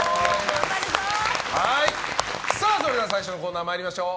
それでは最初のコーナー参りましょう。